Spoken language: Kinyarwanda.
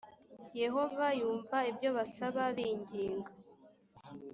yehova yumva ibyo basaba binginga